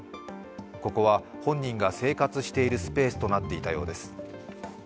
ここは本人が生活していたスペースとなっていたようです。